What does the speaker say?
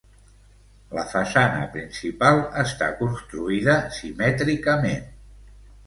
La façana principal està construïda simètricament.